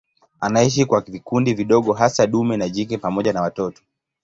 Anaishi kwa vikundi vidogo hasa dume na jike pamoja na watoto.